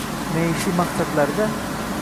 maishiy maqsadlarda